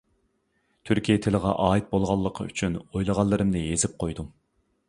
تۈركىي تىلغا ئائىت بولغانلىقى ئۈچۈن ئويلىغانلىرىمنى يېزىپ قويدۇم.